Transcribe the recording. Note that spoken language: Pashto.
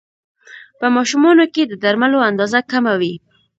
په ماشومانو کې د درملو اندازه کمه وي.